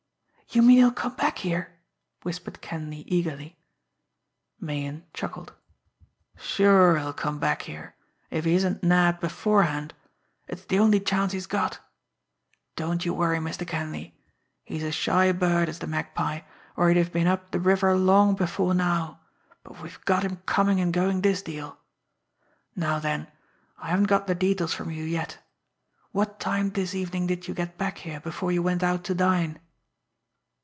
"You mean he'll come back here?" whispered Kenleigh eagerly. Meighan chuckled. "Sure, he'll come back here if he isn't nabbed beforehand! It's the only chance he's got. Don't you worry, Mr. Kenleigh. He's a shy bird, is the Magpie, or he'd have been up the river long before now, but we've got him coming and going this deal. Now then, I haven't got the details from you yet. What time this evening did you get back here before you went out to dine?"